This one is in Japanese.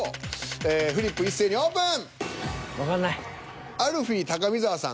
ええフリップ一斉にオープン！